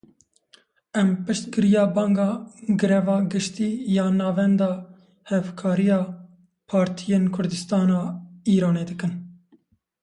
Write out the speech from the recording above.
Em piştgiriya banga greva giştî ya Navenda Hevkariyê ya Partiyên Kurdistana Îranê dikin.